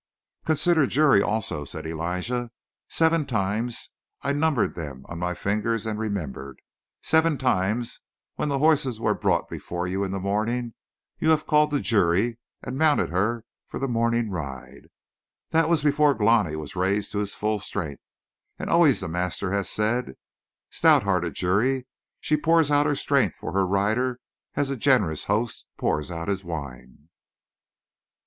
"Consider Juri, also," said Elijah. "Seven times I numbered them on my fingers and remembered seven times when the horses were brought before you in the morning, you have called to Juri and mounted her for the morning ride that was before Glani was raised to his full strength. And always the master has said: "'Stout hearted Juri! She pours out her strength for her rider as a generous host pours out his wine!'"